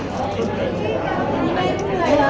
ขอบคุณหนึ่งนะคะขอบคุณหนึ่งนะคะ